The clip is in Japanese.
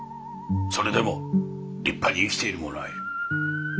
それでも立派に生きている者はいる。